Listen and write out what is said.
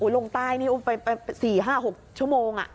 ลงใต้นี่ไป๔๕๖ชั่วโมง